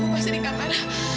ibu pasti di kamar